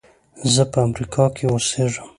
زه په امریکا کې اوسېږم.